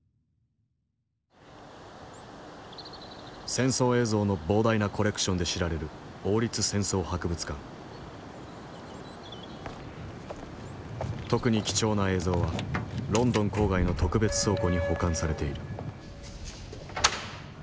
戦争映像の膨大なコレクションで知られる特に貴重な映像はロンドン郊外の特別倉庫に保管されている。